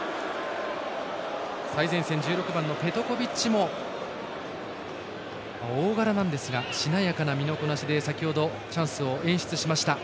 最前線、１６番のペトコビッチも大柄なんですがしなやかな身のこなしで先ほど、チャンスを演出しました。